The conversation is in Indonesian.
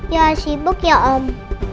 ya sibuk ya om